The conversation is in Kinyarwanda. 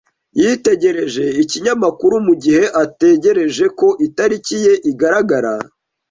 Yitegereje ikinyamakuru mugihe ategereje ko itariki ye igaragara.